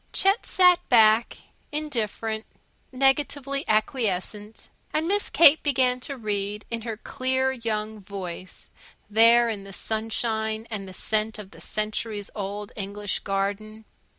Chet sat back, indifferent, negatively acquiescent. And Miss Kate began to read in her clear young voice, there in the sunshine and scent of the centuries old English garden.